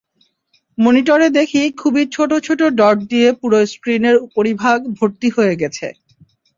মনিটরে দেখি খুবই ছোট ছোট ডট দিয়ে পুরো স্ক্রিনের উপরিভাগ ভর্তি হয়ে গেছে।